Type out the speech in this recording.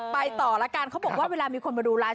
ไปต่อละกันเขาบอกว่าเวลามีคนมาดูไลน